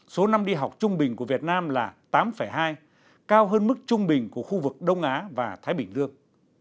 số năm đi học trung bình của việt nam là tám hai cao hơn mức trung bình của khu vực đông á và thái bình dương